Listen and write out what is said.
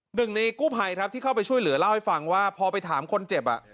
หนึ่งในกู้ภัยครับที่เข้าไปช่วยเหลือเล่าให้ฟังว่าพอไปถามคนเจ็บอ่ะ